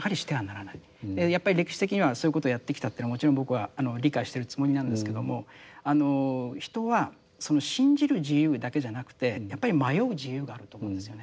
やっぱり歴史的にはそういうことをやってきたというのはもちろん僕は理解してるつもりなんですけどもあの人は信じる自由だけじゃなくてやっぱり迷う自由があると思うんですよね。